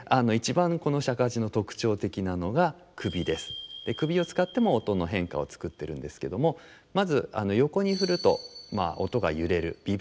首を使っても音の変化を作ってるんですけどもまず横に振ると音が揺れるビブラートですね